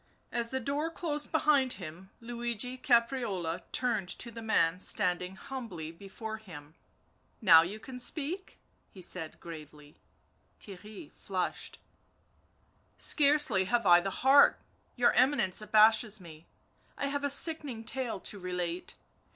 As the door closed behind him Luigi Caprarola turned to the man standing humbly before him. " Now can you speak V ; he said gravely. Theirry flushed. " Scarcely have I the heart ... your Eminence abashes me, I have a sickening tale to relate